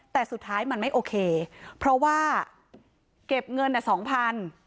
แต่สุดท้ายมันไม่โอเคเพราะว่าเก็บเงินอ่ะสองพัน